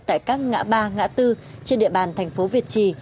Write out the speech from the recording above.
tại các ngã ba ngã tư trên địa bàn thành phố việt trì